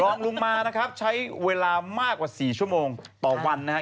ลงมานะครับใช้เวลามากกว่า๔ชั่วโมงต่อวันนะครับ